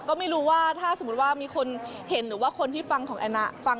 ก็ไม่รู้ว่าถ้าสมมุติว่ามีคนเห็นหรือว่าคนที่ฟังของแอนนะฟัง